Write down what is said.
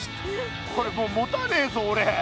これもうもたなねえぞおれ！